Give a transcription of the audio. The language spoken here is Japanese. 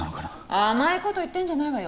甘いこと言ってんじゃないわよ